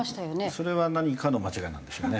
それは何かの間違いなんでしょうね。